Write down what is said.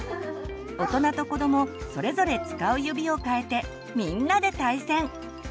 大人と子どもそれぞれ使う指を変えてみんなで対戦！